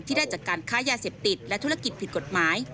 ได้จากการค้ายาเสพติดและธุรกิจผิดกฎหมาย